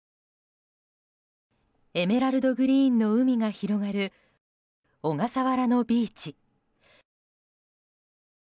エメラルドグリーンの海が広がる小笠原のビーチ。